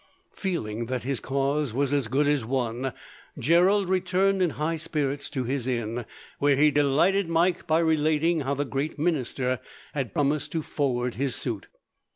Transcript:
Feeling that his cause was as good as won, Gerald returned in high spirits to his inn, where he delighted Mike by relating how the great minister had promised to forward his suit.